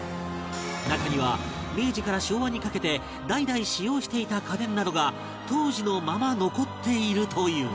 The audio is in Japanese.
中には明治から昭和にかけて代々使用していた家電などが当時のまま残っているという